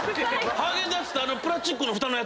ハーゲンダッツってプラスチックのふたの？